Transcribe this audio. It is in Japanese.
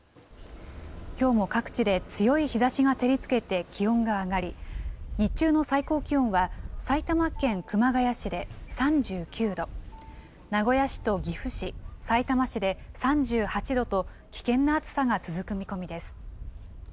きょうも各地で強い日ざしが照りつけて気温が上がり、日中の最高気温は、埼玉県熊谷市で３９度、名古屋市と岐阜市、さいたま市で３８度と、危険な暑さが続く見込みです。